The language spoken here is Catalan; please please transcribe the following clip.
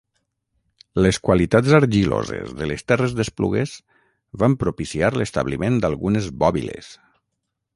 Les qualitats argiloses de les terres d'Esplugues van propiciar l'establiment d'algunes bòbiles.